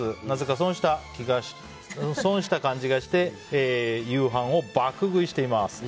なぜか損した感じがして夕飯を爆食いしています。